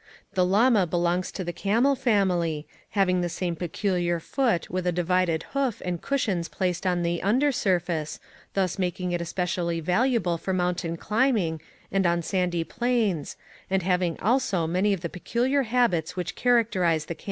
The llama belongs to the camel family, having the same peculiar foot with a divided hoof and cushions placed on the under surface, thus making it espe cially valuable for mountain climbing and on sandy plains, and having also many of the peculiar habits which characterize the camel.